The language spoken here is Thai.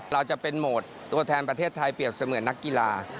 เราจะเป็นโหมดตัวแทนประเทศไทยเปรียบเสมือนนักกีฬา